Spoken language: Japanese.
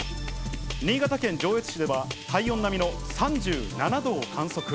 新潟県上越市では体温並みの３７度を観測。